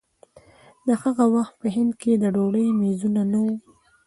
د هغه وخت په هند کې د ډوډۍ مېزونه نه وو.